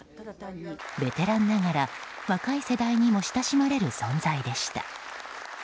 ベテランながら、若い世代にも親しまれる存在でした。